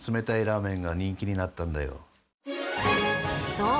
そう！